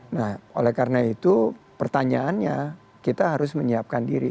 nah oleh karena itu pertanyaannya kita harus menyiapkan diri